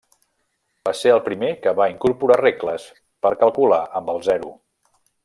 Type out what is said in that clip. Va ser el primer que va incorporar regles per calcular amb el zero.